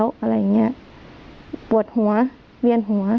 อะไรอย่างเงี้ยปวดหัวเวียนหัว